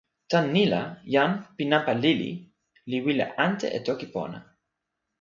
tan ni la, jan pi nanpa lili li wile ante e toki pona.